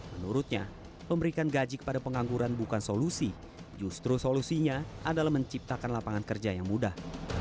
menurutnya memberikan gaji kepada pengangguran bukan solusi justru solusinya adalah menciptakan lapangan kerja yang mudah